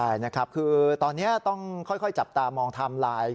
ใช่นะครับคือตอนนี้ต้องค่อยจับตามองไทม์ไลน์